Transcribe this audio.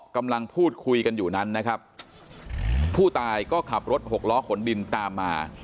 กำลังพูดคุยกันอยู่นั้นนะครับผู้ตายก็ขับรถหกล้อขนดินตามมา